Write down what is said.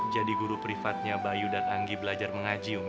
jadi guru privatnya bayu dan anggi belajar mengaji umi